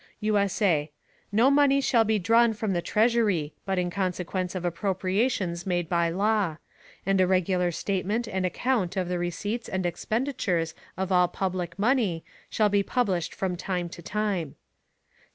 [USA] No Money shall be drawn from the Treasury, but in Consequence of Appropriations made by Law; and a regular Statement and Account of the Receipts and Expenditures of all public Money shall be published from time to time.